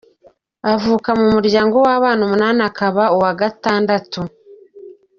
Avuka mu muryango w’abana umunani akaba uwa Gatandatu.